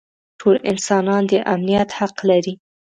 ټول انسانان د امنیت حق لري.